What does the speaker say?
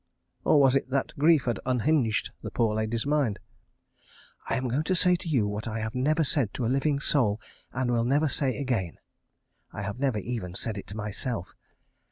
Or was it that grief had unhinged the poor lady's mind? "I am going to say to you what I have never said to a living soul, and will never say again. ... I have never even said it to myself.